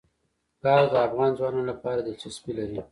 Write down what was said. ګاز د افغان ځوانانو لپاره دلچسپي لري.